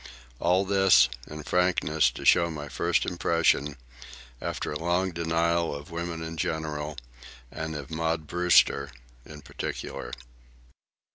All this, in frankness, to show my first impression, after long denial of women in general and of Maud Brewster in particular.